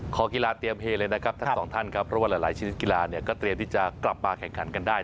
กีฬาเตรียมเฮเลยนะครับทั้งสองท่านครับเพราะว่าหลายชนิดกีฬาเนี่ยก็เตรียมที่จะกลับมาแข่งขันกันได้